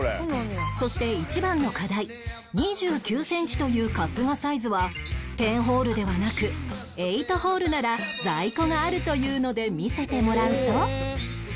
そして一番の課題２９センチという春日サイズは１０ホールではなく８ホールなら在庫があるというので見せてもらうと